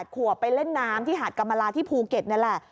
ขวบไปเล่นน้ำที่หาดกรรมลาที่ภูเก็ตนี่แหละ